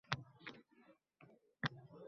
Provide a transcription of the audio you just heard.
Uning oppoq, bezavol